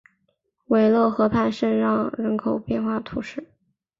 韦勒河畔圣让人口变化图示